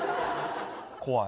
怖い。